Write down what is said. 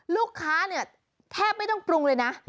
ลูกค้าเนี่ยแทบไม่ต้องปรุงเลยนะ